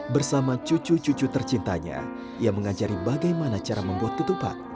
bersama cucu cucu tercintanya ia mengajari bagaimana cara membuat ketupat